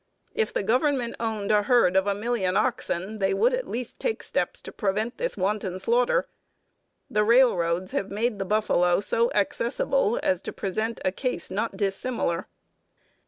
If the Government owned a herd of a million oxen they would at least take steps to prevent this wanton slaughter. The railroads have made the buffalo so accessible as to present a case not dissimilar.